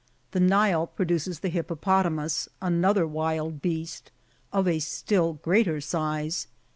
The Mle produces the hippopotamus, another wild beast, of a still greater size.